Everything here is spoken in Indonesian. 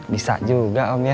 bisa juga om ya